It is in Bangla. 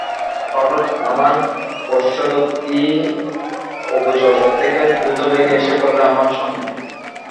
হঠাৎ আমার পশ্চাদ্বর্তী অগোচরতার থেকে দ্রুতবেগে এসে পড়লে আমার সামনে।